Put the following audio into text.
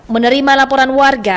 menerima laporan warga